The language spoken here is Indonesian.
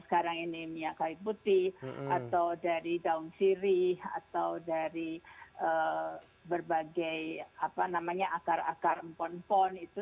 sekarang ini miak kai putih atau dari daun sirih atau dari berbagai apa namanya akar akar empon pon itu